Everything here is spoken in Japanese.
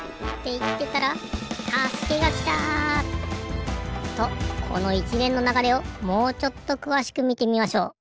いってたらたすけがきた！とこのいちれんのながれをもうちょっとくわしくみてみましょう。